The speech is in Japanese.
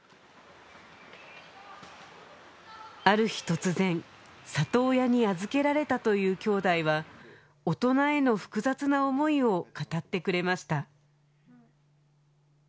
ある日突然里親に預けられたというきょうだいは大人への複雑な思いを語ってくれました